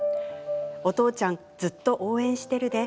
お父ちゃん、ずっと応援してるで。